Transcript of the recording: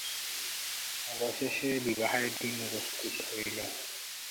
অবশেষে বিবাহের দিন উপস্থিত হইল।